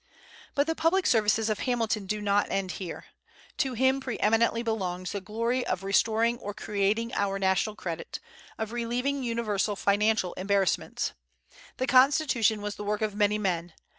But the public services of Hamilton do not end here. To him pre eminently belongs the glory of restoring or creating our national credit, and relieving universal financial embarrassments. The Constitution was the work of many men.